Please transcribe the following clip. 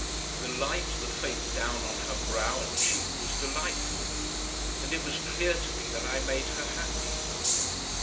The light, the faint down on her brow and cheek was delightful. And it was clear to me that I made her happy.